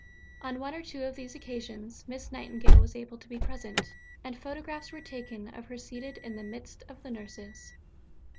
On one or two of these occasions, Miss Nightingale was able to be present, and photographs were taken of her seated in the midst of the nurses.